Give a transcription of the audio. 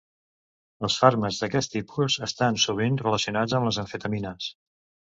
Els fàrmacs d'aquest tipus estan sovint relacionats amb les amfetamines.